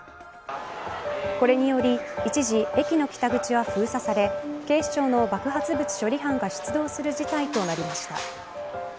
これにより一時駅の北口は封鎖され警視庁の爆発物処理班が出動する事態となりました。